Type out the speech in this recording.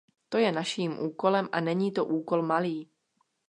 To je naším úkolem a není to úkol malý.